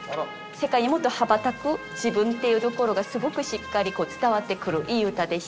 世界にもっと羽ばたく自分っていうところがすごくしっかり伝わってくるいい歌でした。